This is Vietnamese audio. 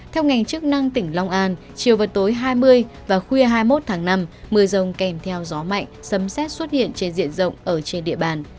theo ngành chức năng tỉnh long an chiều và tối hai mươi và khuya hai mươi một tháng năm mưa rông kèm theo gió mạnh sấm xét xuất hiện trên diện rộng ở trên địa bàn